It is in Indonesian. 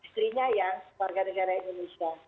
sebenarnya warga negara indonesia